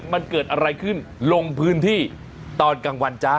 มันเกิดอะไรขึ้นลงพื้นที่ตอนกลางวันจ้า